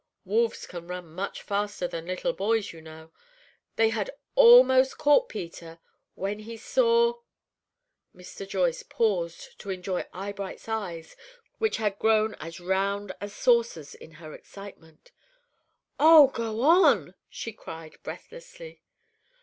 Wolves can run much faster than little boys, you know. They had almost caught Peter, when he saw " Mr. Joyce paused to enjoy Eyebright's eyes, which had grown as round as saucers in her excitement. "Oh, go on!" she cried, breathlessly.